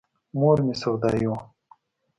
مور مې سودايي وه.